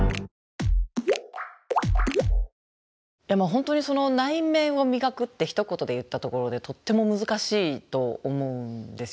本当に内面を磨くってひと言で言ったところでとっても難しいと思うんですよ。